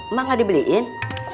emak gak dibeliin